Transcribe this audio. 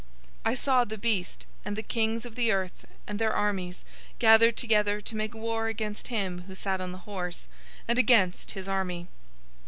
019:019 I saw the beast, and the kings of the earth, and their armies, gathered together to make war against him who sat on the horse, and against his army.